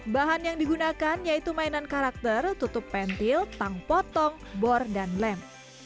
bahan yang digunakan yaitu mainan karakter tutup pentil tang potong bor dan lem